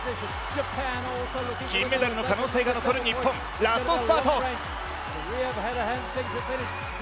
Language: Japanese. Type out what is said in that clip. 金メダルの可能性が残る日本、ラストスパート。